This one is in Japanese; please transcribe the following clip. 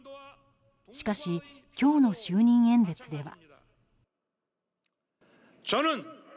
しかし、今日の就任演説では。